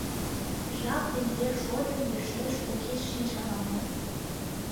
Жап ден вер шотым йӧршеш огеш шиж ала-мо.